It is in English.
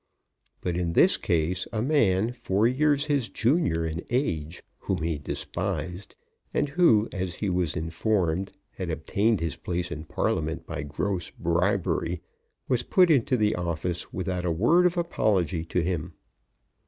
But in this case a man four years his junior in age, whom he despised, and who, as he was informed, had obtained his place in Parliament by gross bribery, was put into the office without a word of apology to him.